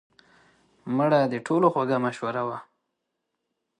مړه د ټولو خوږه مشوره وه